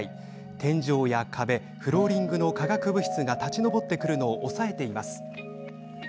天井や壁、フローリングの化学物質が立ち上ってくるのを抑えています。